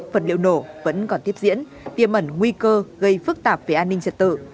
vật liệu nổ vẫn còn tiếp diễn tiêm ẩn nguy cơ gây phức tạp về an ninh trật tự